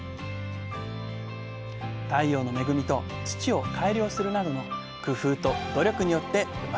太陽の恵みと土を改良するなどの工夫と努力によって生まれる